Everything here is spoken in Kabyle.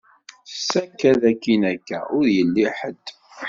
Tessaked akin akka, ur yelli ḥed.